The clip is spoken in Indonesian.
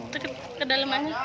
dekat ke dalemannya